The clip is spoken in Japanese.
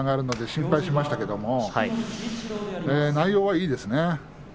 心配しましたけれども内容はいいですね。